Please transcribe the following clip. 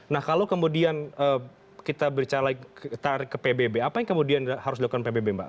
nah kalau kemudian kita bercalai tarik ke pbb apa yang kemudian harus dilakukan pbb mbak